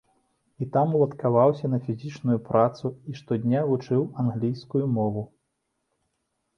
І там уладкаваўся на фізічную працу і штодня вучыў англійскую мову.